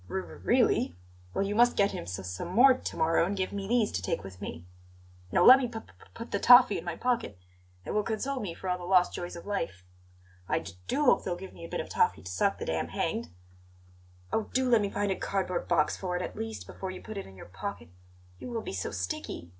"R r really? Well, you must get him s some more to morrow and give me these to take with me. No, let me p p put the toffee in my pocket; it will console me for all the lost joys of life. I d do hope they'll give me a bit of toffee to suck the day I'm hanged." "Oh, do let me find a cardboard box for it, at least, before you put it in your pocket! You will be so sticky!